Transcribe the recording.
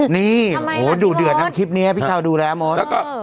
นี่โหดูเดือดนั้นคลิปเนี้ยพี่ครัวดูแลมด